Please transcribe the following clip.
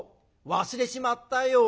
忘れちまったよ。